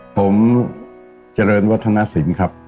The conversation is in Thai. ผมเจริญวัฒนสินครับ